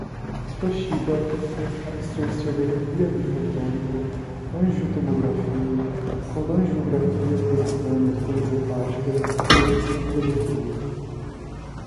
Toshiba, absorciometria bifotônica, angiotomografia, colangiografia percutânea trans-hepática, densitometria